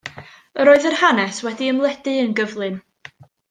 Yr oedd yr hanes wedi ymledu yn gyflym.